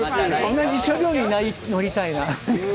同じ車両に乗りたいな。